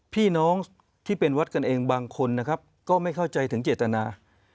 พี่น้องที่เป็นวัดกันเองบางคนนะครับก็ไม่เข้าใจถึงเจตนา